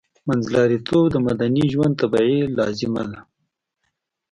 منځلاریتوب د مدني ژوند طبیعي لازمه ده